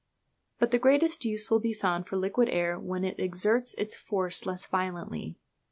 But the greatest use will be found for liquid air when it exerts its force less violently.